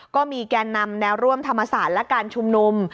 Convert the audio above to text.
ก็มีแก่นำแนวร่วมธรรมศาสตร์และการชุมนุม